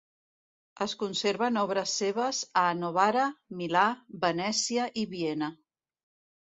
Es conserven obres seves a Novara, Milà, Venècia i Viena.